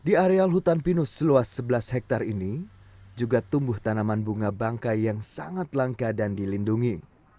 di areal hutan pinus seluas sebelas hektare ini juga tumbuh tanaman bunga bangkai yang sangat langka dan dilindungi